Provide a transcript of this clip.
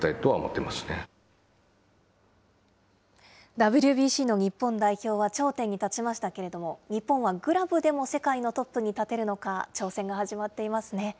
ＷＢＣの日本代表は頂点に立ちましたけれども、日本はグラブでも世界のトップに立てるのか、挑戦が始まっていますね。